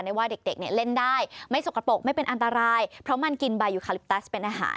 นี่เป็นแมลงสาปภายคลาสหรือคะ